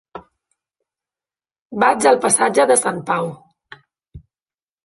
Vaig al passatge de Sant Pau.